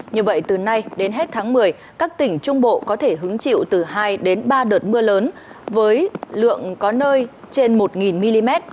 như vậy từ nay đến hết tháng một mươi các tỉnh trung bộ có thể hứng chịu từ hai đến ba đợt mưa lớn với lượng có nơi trên một mm